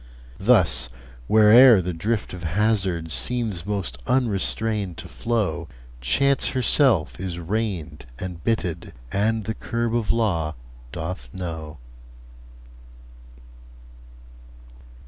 Thus, where'er the drift of hazard Seems most unrestrained to flow, Chance herself is reined and bitted, And the curb of law doth know.